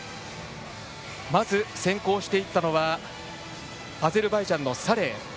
まず先行していったのはアゼルバイジャンのサレイ。